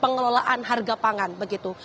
pengelolaan harga pangan begitu